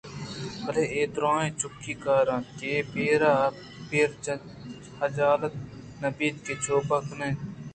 بلئے اے دُرٛاہ چکُی کار اَنت کہ اے پیر ءَ پیرحجالت نہ بنت کہ چوبہ کن اَنت